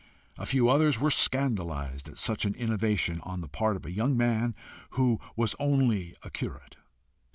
A few others were scandalized at such an innovation on the part of a young man who was only a curate.